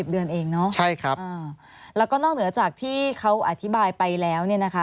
เดือนเองเนอะใช่ครับแล้วก็นอกเหนือจากที่เขาอธิบายไปแล้วเนี่ยนะคะ